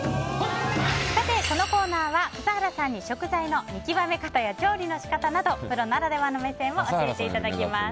このコーナーは笠原さんに食材の見極め方や調理の仕方などプロならではの目線を教えていただきます。